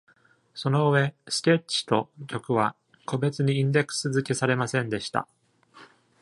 その上、スケッチと曲は個別にインデックス付けされませんでした。